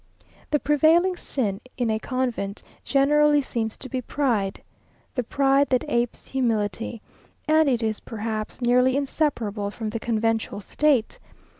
The prevailing sin in a convent generally seems to be pride; "The pride that apes humility;" and it is perhaps nearly inseparable from the conventual state.